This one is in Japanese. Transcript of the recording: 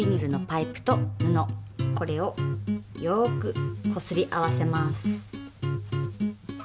これをよくこすり合わせます。